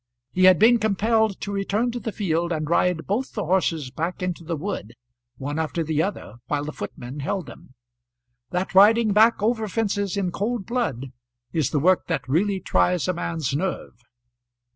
He had been compelled to return to the field and ride both the horses back into the wood; one after the other, while the footman held them. That riding back over fences in cold blood is the work that really tries a man's nerve.